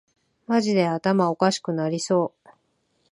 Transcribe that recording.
マジで頭おかしくなりそう